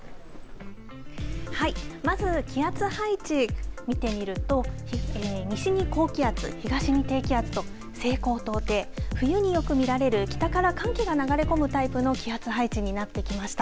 はい、まず気圧配置見てみると西に高気圧、東に低気圧と西高東低、冬によく見られる北から寒気が流れ込むタイプの気圧配置になってきました。